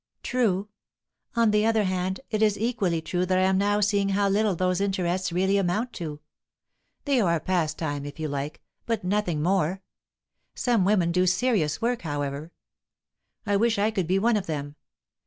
"True. On the other hand, it is equally true that I am now seeing how little those interests really amount to. They are pastime, if you like, but nothing more. Some women do serious work, however; I wish I could be one of them.